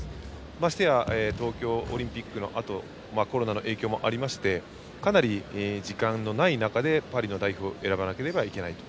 ましてや東京オリンピックのあとコロナの影響もあってかなり時間のない中でパリの代表を選ばなければいけないと。